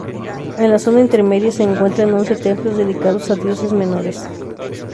En la zona intermedia se encuentran once templos dedicados a dioses menores.